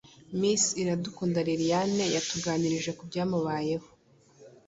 Miss Iradukunda Liliane yatuganirije ku byamugoye